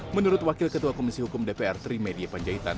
menurut wakil ketua komisi hukum dpr trimedia panjaitan